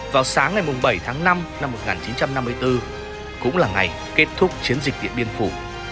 vào sáng ngày bảy tháng năm năm một nghìn chín trăm năm mươi bốn cũng là ngày kết thúc chiến dịch điện biên phủ